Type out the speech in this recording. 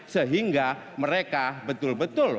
sehingga mereka betul betul